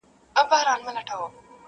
بې سرحده یې قدرت او سلطنت دئ!